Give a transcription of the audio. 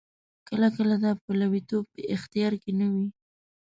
کله کله دا پلویتوب په اختیار کې نه وي.